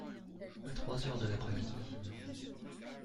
À trois heures de l’après-midi.